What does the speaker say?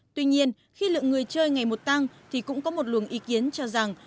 tuy nhiên khi lượng người chơi ngày một tăng thì cũng có một luồng ý kiến cho rằng